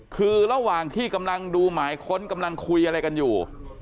คือระหว่างที่กำลังดูหมายค้นกำลังคุยอะไรกันอยู่